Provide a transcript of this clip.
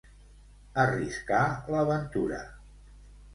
Arriscar la ventura.